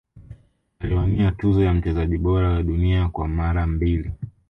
aliwania tuzo ya mchezaji bora wa dunia kwa mara mbili